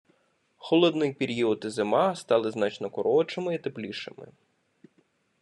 Холодний період і зима стали значно коротшими і теплішими.